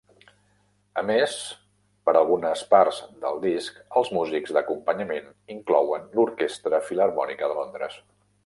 A més, per algunes parts del disc, els músics d'acompanyament inclouen l'Orquestra Filharmònica de Londres.